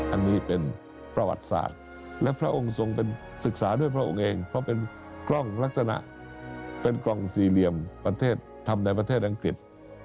อันนี้เป็นประวัติศาสตร์และพระองค์ทรงเป็นศึกษาด้วยพระองค์เองเพราะเป็นกล้องลักษณะเป็นกล่องสี่เหลี่ยมประเทศทำในประเทศอังกฤษ